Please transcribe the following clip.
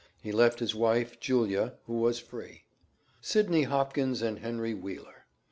He left his wife, Julia, who was free. Sydney Hopkins and Henry Wheeler.